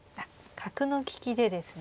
角の利きでですね。